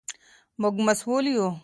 موږ مسؤل یو.